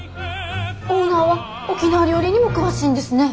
オーナーは沖縄料理にも詳しいんですね。